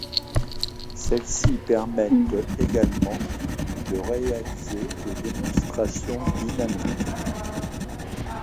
Celles-ci permettent également de réaliser des démonstrations dynamiques.